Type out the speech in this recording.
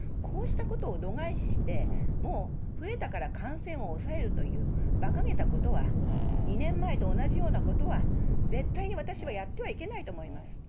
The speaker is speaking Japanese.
こうしたことを度外視して、もう増えたから感染を抑えるというばかげたことは、２年前と同じようなことは、絶対に私はやってはいけないと思います。